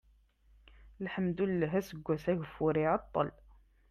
lḥemdullah aseggas-a ageffur iɛeṭṭel